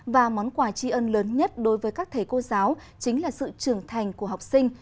và món quà tri ân lớn nhất đối với các thầy cô giáo chính là sự trưởng thành của học sinh